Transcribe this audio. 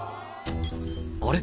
「あれ？